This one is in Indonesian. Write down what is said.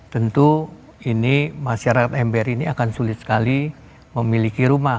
tentu ini masyarakat ember ini akan sulit sekali memiliki rumah